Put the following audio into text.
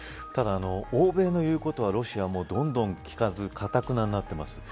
ただ欧米の言うことはロシアもどんどん聞かずかたくなになっています。